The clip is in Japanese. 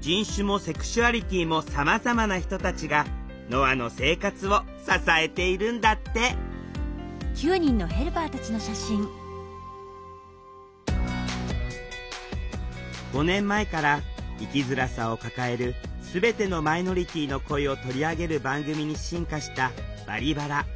人種もセクシュアリティーもさまざまな人たちがノアの生活を支えているんだって５年前から生きづらさを抱える全てのマイノリティーの声を取り上げる番組に進化した「バリバラ」。